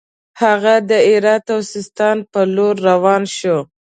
هغه د هرات او سیستان پر لور روان شو.